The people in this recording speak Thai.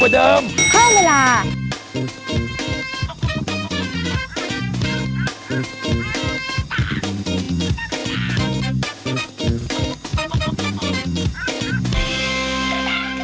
โอ้โอ้โอ้